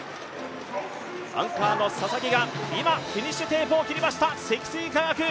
アンカーの佐々木が今、フィニッシュテープを切りました、積水化学。